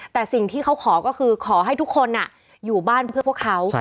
แต่สิ่งที่เขาขอก็คือขอให้ทุกคนอยู่บ้านเพื่อพวกเขา